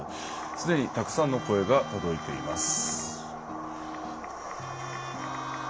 すでにたくさんの声が届いています。